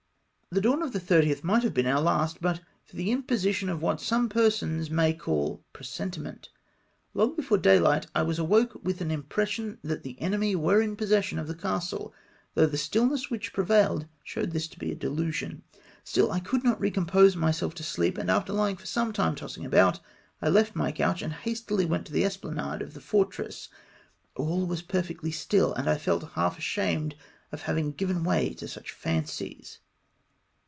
The dawn of the 30th might have been om^ last, but from the interposition of what some persons may call presentiment. Long before dayhght I was awoke with an impression that the enemy were in possession of the castle, though' the stillness which prevailed showed this to be a delusion. Still I could not recompose myself to sleep, and after lying for some time tossing about, I left my couch, and hastily went on the esplanade of the fortress. All was perfectly still, and I felt half ashamed of having given way to such fancies.